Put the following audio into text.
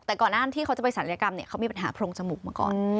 แต่ก่อนหน้าที่เขาจะไปศัลยกรรมเนี่ยเขามีปัญหาโพรงจมูกมาก่อน